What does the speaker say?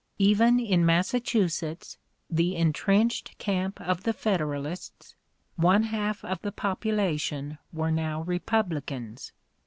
Even in Massachusetts, the intrenched camp of the Federalists, one half of the population were now Republicans.